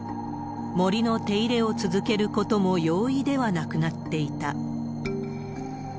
森の手入れを続けることも容易ではなくなっていた。